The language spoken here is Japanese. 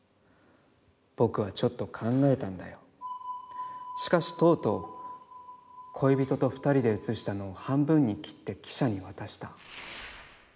僕はちょっと考えたんだよ、しかしとうとう、恋人と二人で写したのを半分に切って記者に渡した」。